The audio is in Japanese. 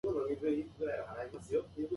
まだ改札前にいる